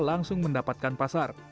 langsung mendapatkan pasar